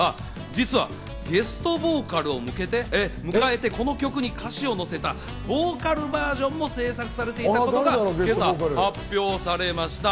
実はゲストボーカルを迎えて、この曲に歌詞をのせたボーカルバージョンも制作されていたことが今朝発表されました。